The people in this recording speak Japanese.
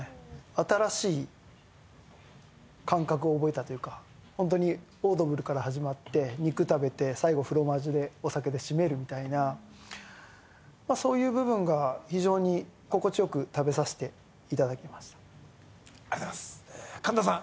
新しい感覚を覚えたというか本当にオードブルから始まって肉食べて最後フロマージュでお酒で締めるみたいなそういう部分が非常に心地よく食べさせていただきましたありがとうございます神田さん